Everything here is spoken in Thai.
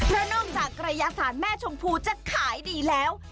และนอกจากกรยาศาสตร์แม่ชมพูจะขายดีแล้ว